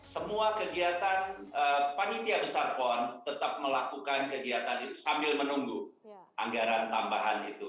semua kegiatan panitia besar pon tetap melakukan kegiatan itu sambil menunggu anggaran tambahan itu